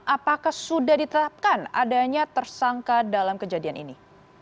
apakah sudah ditetapkan adanya tersangka dalam kejadian ini